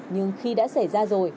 nhưng khi đã xảy ra rồi